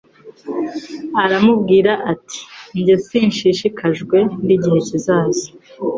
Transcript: aramubwira ati jye sinshishikajwe n igihe kizaza